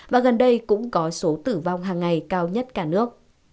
và gần đây cũng có số tử vong hàng ngày cao nhất cả nước